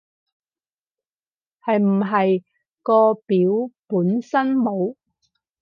係唔係個表本身冇